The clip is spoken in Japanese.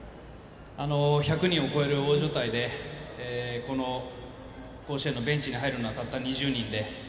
１００人を超える大所帯でこの甲子園のベンチに入るのはたった２０人で。